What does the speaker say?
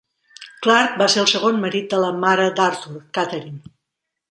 Clarke va ser el segon marit de la mare d'Arthur, Katherine.